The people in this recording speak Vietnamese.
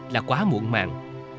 là quá muộn mạng